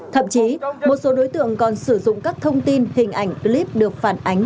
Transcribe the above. thậm chí một số đối tượng còn sử dụng các thông tin hình ảnh clip được phản ánh